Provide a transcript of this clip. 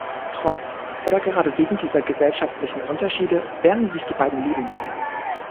Trotz, oder gerade wegen dieser gesellschaftlichen Unterschiede lernen sich die beiden lieben.